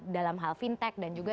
dalam hal fintech dan juga